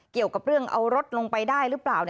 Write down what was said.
เกี่ยวกับเรื่องเอารถลงไปได้หรือเปล่า